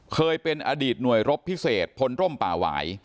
เคยเป็นอดีตหน่วยรบพิเศษพลร่มป่าหวาย